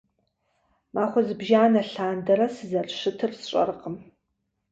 Махуэ зыбжана лъандэрэ, сызэрыщытыр сщӀэркъым.